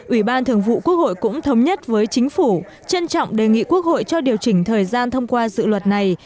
ủy ban thường vụ quốc hội cũng thống nhất với chính phủ trân trọng đề nghị quốc hội cho điều chỉnh thời gian thông qua dự luật này